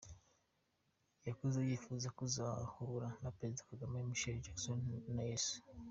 Yakuze yifuza kuzahura na Perezida Kagame, Michael Jackson na Yesu.